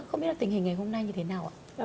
không biết là tình hình ngày hôm nay như thế nào ạ